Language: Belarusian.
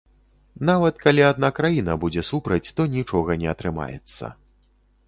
Нават калі адна краіна будзе супраць, то нічога не атрымаецца.